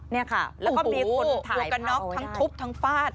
เนี่ยค่ะแล้วก็มีคนถ่ายผ้าเอาไว้ได้หมวกกระน็อกทั้งทุบทั้งฟาด